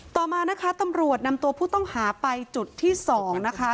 ต่อมานะคะตำรวจนำตัวผู้ต้องหาไปจุดที่๒นะคะ